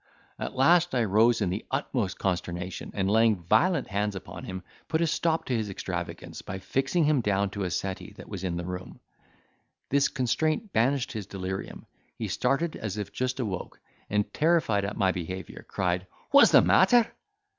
At last, I rose in the utmost consternation, and, laying violent hands upon him, put a stop to his extravagance by fixing him down to a settee that was in the room. This constraint banished his delirium; he started as if just awoke, and terrified at my behaviour, cried, "What is the matter!"